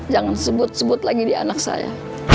jangan sebut sebut lagi di anak saya